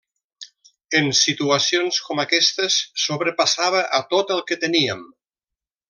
En situacions com aquestes sobrepassava a tot el que teníem.